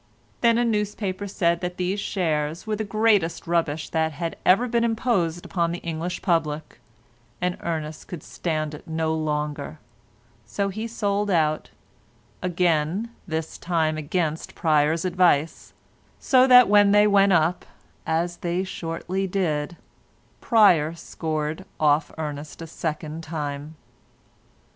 Then a newspaper said that these shares were the greatest rubbish that had ever been imposed upon the English public, and Ernest could stand it no longer, so he sold out, again this time against Pryer's advice, so that when they went up, as they shortly did, Pryer scored off Ernest a second time.